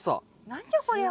何じゃこりゃ。